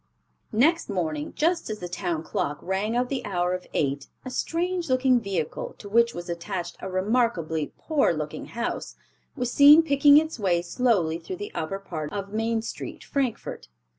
Next morning just as the town clock rang out the hour of eight, a strange looking vehicle, to which was attached a remarkably poor looking horse, was seen picking its way slowly through the upper part of Main street, Frankfort.